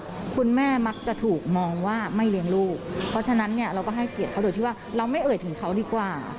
เพราะคุณแม่มักจะถูกมองว่าไม่เลี้ยงลูกเพราะฉะนั้นเนี่ยเราก็ให้เกียรติเขาโดยที่ว่าเราไม่เอ่ยถึงเขาดีกว่า